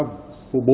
crong park đắk lắc